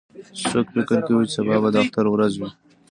څوک فکر کوي چې سبا به د اختر ورځ وي